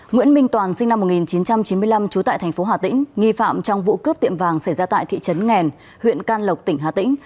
nguyễn minh toàn sinh năm một nghìn chín trăm chín mươi năm trú tại thành phố hà tĩnh nghi phạm trong vụ cướp tiệm vàng xảy ra tại thị trấn nghèn huyện can lộc tỉnh hà tĩnh